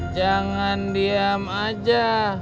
jangan diam aja